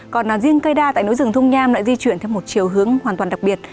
còn riêng cây đa tại núi rừng thung nham lại di chuyển theo một chiều hướng hoàn toàn đặc biệt